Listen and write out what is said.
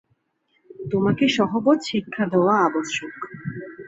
তোমাকে সহবত শিক্ষা দেওয়া আবশ্যক।